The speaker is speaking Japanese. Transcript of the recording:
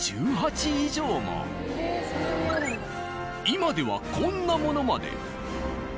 今ではこんなものまで。